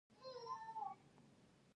پښتو ژبه د هر پښتون فکري سلاح ده.